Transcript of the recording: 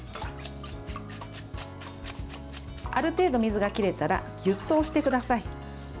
ある程度、水が切れたらギュッと押してください。